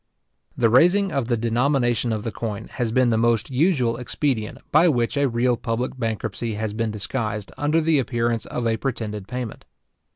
The raising of the denomination of the coin has been the most usual expedient by which a real public bankruptcy has been disguised under the appearance of a pretended payment.